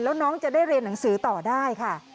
แล้วน้องจะได้เรียนหนังสือต่อได้ค่ะ